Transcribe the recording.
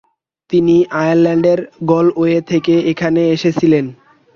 তিনি আয়ারল্যান্ডের গলওয়ে থেকে এখানে এসেছিলেন।